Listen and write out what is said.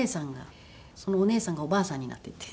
そのお姉さんがおばあさんになってて。